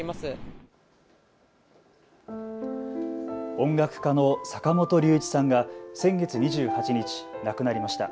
音楽家の坂本龍一さんが先月２８日、亡くなりました。